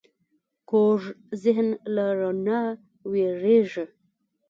کوږ ذهن له رڼا وېرېږي